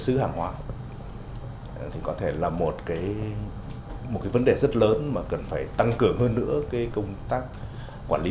xứ hàng hoa thì có thể là một vấn đề rất lớn mà cần phải tăng cửa hơn nữa công tác quản lý